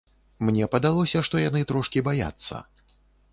Мне падалося, што яны трошкі баяцца.